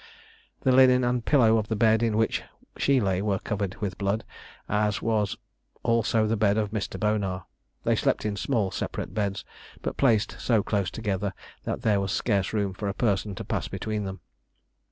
The linen and pillow of the bed in which she lay were covered with blood, as was also the bed of Mr. Bonar. They slept in small separate beds, but placed so close together that there was scarce room for a person to pass between them.